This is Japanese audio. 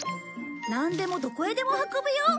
なんでもどこへでも運ぶよ。